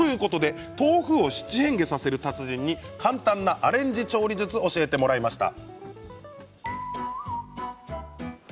豆腐を七変化させる達人に簡単なアレンジ調理術を教えてもらいました。